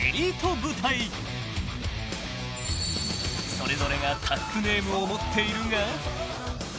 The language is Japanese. ［それぞれがＴＡＣネームを持っているが］